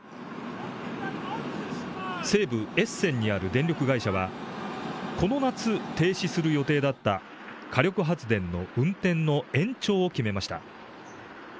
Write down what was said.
西部エッセンにある電力会社はこの夏、停止する予定だった火力発電の運転の延長を決めました。